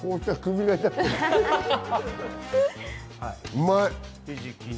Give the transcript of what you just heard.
うまい！